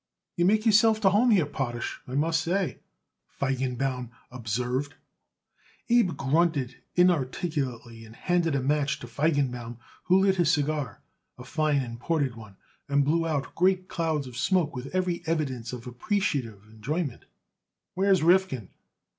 "You make yourself to home here, Potash, I must say," Feigenbaum observed. Abe grunted inarticulately and handed a match to Feigenbaum, who lit his cigar, a fine imported one, and blew out great clouds of smoke with every evidence of appreciative enjoyment. "Where's Rifkin?"